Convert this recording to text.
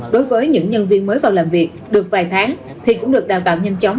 đối với những nhân viên mới vào làm việc được vài tháng thì cũng được đào tạo nhanh chóng